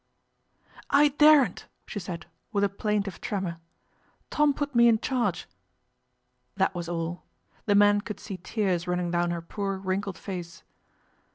'I daren't,' she said, with a plaintive tremor; 'Tom put me in charge.' That was all. The men could see tears running down her poor wrinkled face.